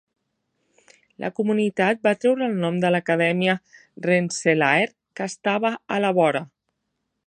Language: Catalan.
La comunitat va treure el nom de l'Acadèmia Rensselaer, que estava a la vora.